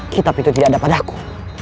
kitab itu tidak ada padaku